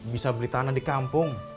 bisa beli tanah di kampung